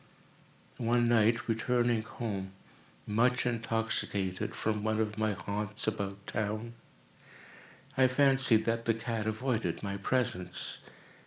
One night, returning home, much intoxicated, from one of my haunts about town, I fancied that the cat avoided my presence.